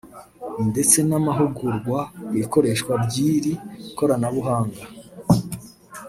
ndetse n’amahugurwa ku ikoreshwa ry’iri koranabuhanga